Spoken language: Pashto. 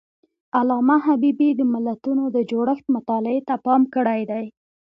علامه حبيبي د ملتونو د جوړښت مطالعې ته پام کړی دی.